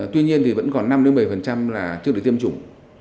tuy nhiên thì vẫn còn năm một mươi là chưa được tiêm chủng